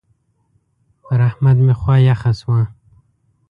پر احمد مې خوا يخه شوه.